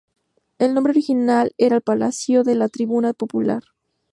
El nombre original era Palacio de la Tribuna Popular.